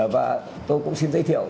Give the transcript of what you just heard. và tôi cũng xin giới thiệu